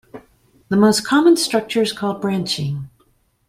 The most common structure is called branching.